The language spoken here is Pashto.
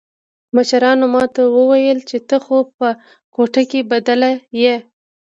مشرانو ما ته وويل چې ته خو په کوټه کښې بلد يې.